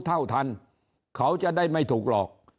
เท่าทันเขาจะได้ไม่ถูกหลอก